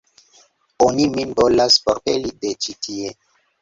Oni min volas forpeli de ĉi tie.